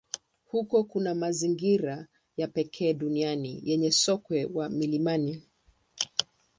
Huko kuna mazingira ya pekee duniani yenye sokwe wa milimani.